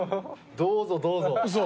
どうぞどうぞ。